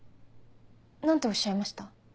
何ておっしゃいました？